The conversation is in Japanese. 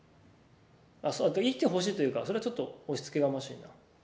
あ生きてほしいというかそれはちょっと押しつけがましいな。